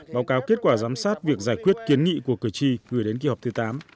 báo cáo kết quả giám sát việc giải quyết kiến nghị của cử tri gửi đến kỳ họp thứ tám